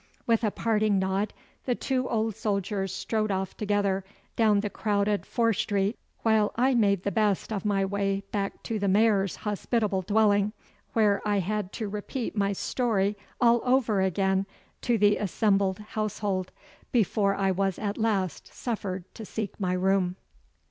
'With a parting nod the two old soldiers strode off together down the crowded Fore Street, while I made the best of my way back to the Mayor's hospitable dwelling, where I had to repeat my story all over again to the assembled household before I was at last suffered to seek my room.